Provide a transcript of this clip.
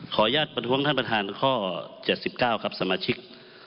อนุญาตประท้วงท่านประธานข้อ๗๙ครับสมาชิก